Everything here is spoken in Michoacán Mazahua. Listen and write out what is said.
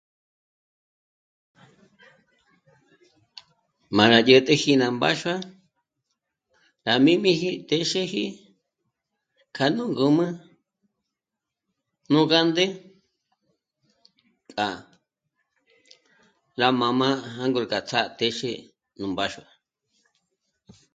M'a dyá rá 'ä̀t'äji ná mbáxua rá jmī́jmīji téxeji k'a nú ngǔm'ü nú gánde k'a rá mā́jmā jângor gá ts'á'a téxe nú mbáxua